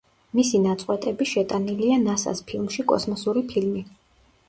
მისი ნაწყვეტები შეტანილია ნასას ფილმში კოსმოსური ფილმი.